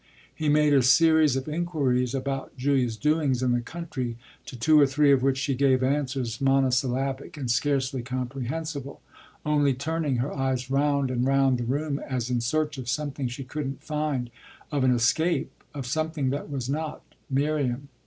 He made a series of inquiries about Julia's doings in the country, to two or three of which she gave answers monosyllabic and scarcely comprehensible, only turning her eyes round and round the room as in search of something she couldn't find of an escape, of something that was not Miriam.